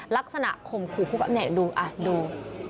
ลักษณะข่มขู่แบบเนี่ยดูอ่ะดู